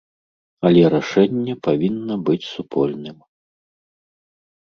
Але рашэнне павінна быць супольным.